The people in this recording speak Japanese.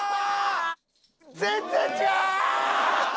全然違う！